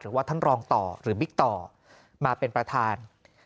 หรือว่าท่านรองต่อหรือบิ๊กต่อมาเป็นประธาน